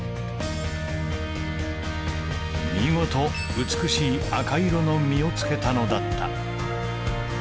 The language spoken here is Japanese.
見事美しい赤色の実をつけたのだった